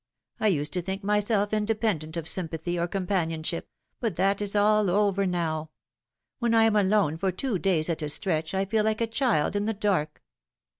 I used to think myself independent of sympathy or com panionship but that is all over now. When I am alone for two days at a stretch I feel like a child in the dark."